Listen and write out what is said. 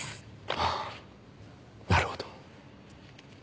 ああなるほど。